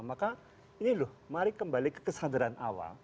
maka ini loh mari kembali ke kesadaran awal